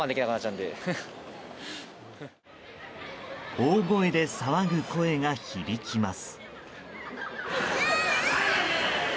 大声で騒ぐ声が響きます。